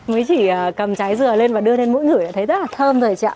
mới chỉ cầm trái dừa lên và đưa lên mũi ngửi thì thấy rất là thơm rồi chị ạ